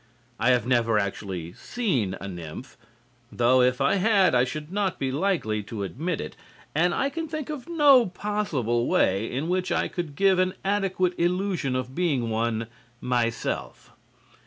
I have never actually seen a nymph, though if I had I should not be likely to admit it, and I can think of no possible way in which I could give an adequate illusion of being one myself.